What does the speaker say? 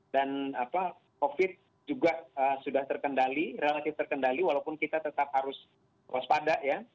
dan covid sembilan belas juga sudah terkendali relatif terkendali walaupun kita tetap harus waspada